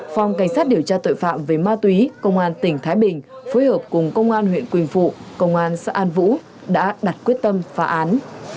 phòng cảnh sát điều tra tội phạm về ma túy công an tỉnh thái bình phối hợp cùng công an huyện quỳnh phụ công an xã an vũ đã đặt quyết tâm phá án